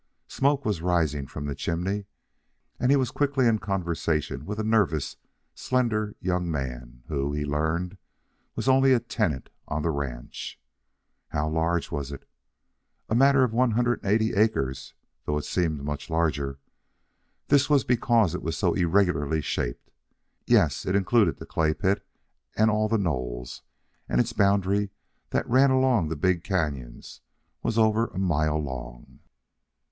Smoke was rising from the chimney and he was quickly in conversation with a nervous, slender young man, who, he learned, was only a tenant on the ranch. How large was it? A matter of one hundred and eighty acres, though it seemed much larger. This was because it was so irregularly shaped. Yes, it included the clay pit and all the knolls, and its boundary that ran along the big canon was over a mile long.